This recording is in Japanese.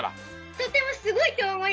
とてもすごいとおもいました。